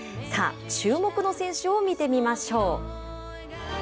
さあ、注目の選手を見てみましょう。